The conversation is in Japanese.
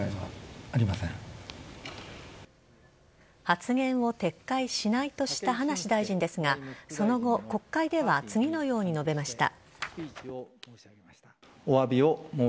発言を撤回しないとした葉梨大臣ですがその後国会では次のように述べました。